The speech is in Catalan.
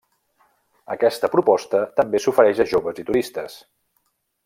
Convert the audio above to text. Aquesta proposta també s'ofereix a joves i turistes.